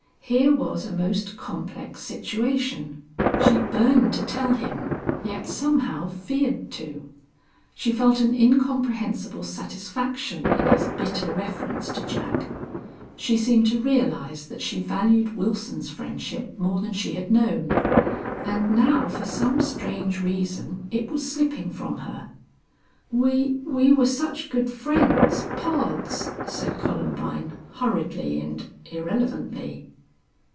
Here was a most complex situation she burned to tell him, yet somehow feared to she felt an incomprehensible satisfaction in his bitter reference to Jack she seemed to realize that she valued Wilson's friendship more than she had known, and now for some strange reason it was slipping from her. "We we were such good friends pards," said Columbine, hurriedly and irrelevantly.